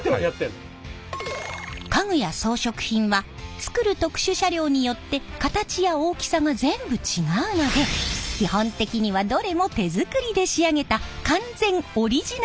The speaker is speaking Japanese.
家具や装飾品は作る特殊車両によって形や大きさが全部違うので基本的にはどれも手作りで仕上げた完全オリジナルなのです！